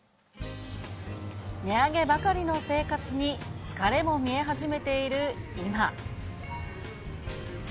値上げばかりの生活に疲れも見え始めている今。